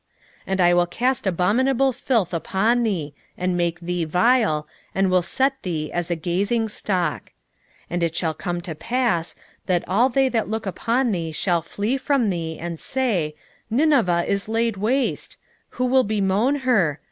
3:6 And I will cast abominable filth upon thee, and make thee vile, and will set thee as a gazingstock. 3:7 And it shall come to pass, that all they that look upon thee shall flee from thee, and say, Nineveh is laid waste: who will bemoan her?